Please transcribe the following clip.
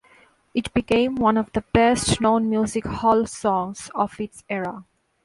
It became one of the best known music hall songs of its era.